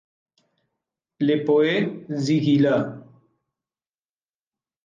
Le Poët-Sigillat